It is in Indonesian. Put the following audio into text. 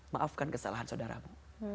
maafkan kesalahan saudaramu